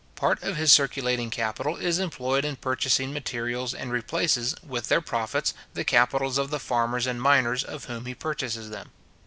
Part of his circulating capital is employed in purchasing materials, and replaces, with their profits, the capitals of the farmers and miners of whom he purchases them.